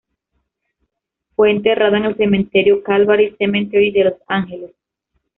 Fue enterrada en el Cementerio Calvary Cemetery de Los Angeles.